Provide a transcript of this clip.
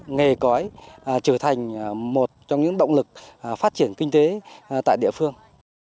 nghề cõi trở thành một trong những động lực phát triển kinh tế tại địa phương